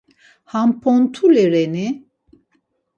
Ham pont̆uli reni?